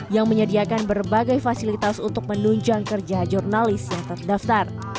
yang menyediakan berbagai fasilitas untuk menunjang kerja jurnalis yang terdaftar